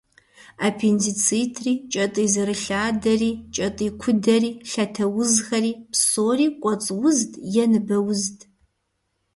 Аппендицитри, кӏэтӏий зэрылъадэри, кӏэтӏий кудэри, лъатэ узхэри псори «кӏуэцӏ узт» е «ныбэ узт».